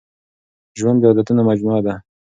ژوند د عادتونو مجموعه ده.